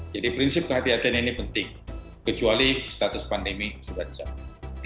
jadi prinsip kehatian ini penting kecuali status pandemi sudah dicabut